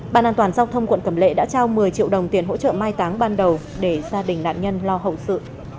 bàn an toàn giao thông quận cẩm lệ đã trao một mươi triệu đồng tiền hỗ trợ mai táng ban đầu để gia đình nạn nhân lo hậu sự